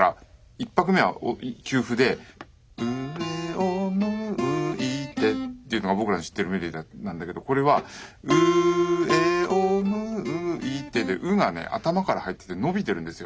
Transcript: １拍目は休符で「うえをむいて」っていうのが僕らの知ってるメロディーなんだけどこれは「うえをむいて」で「う」がね頭から入ってて伸びてるんですよ。